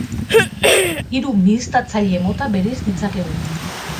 Hiru mihiztatzaile mota bereiz ditzakegu.